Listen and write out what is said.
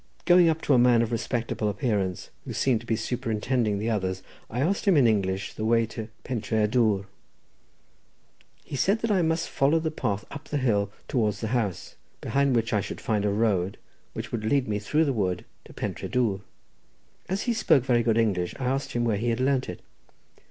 Going up to a man of respectable appearance, who seemed to be superintending the others, I asked him in English the way to Pentré y Dwr. He replied that I must follow the path up the hill towards the house, behind which I should find a road which would lead me through the wood to Pentré Dwr. As he spoke very good English, I asked where he had learnt it.